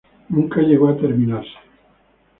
Nunca llegó a terminarse.